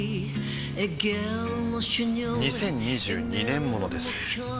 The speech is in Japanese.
２０２２年モノです